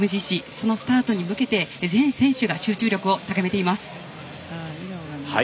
そのスタートに向けて全選手が集中力を高めています。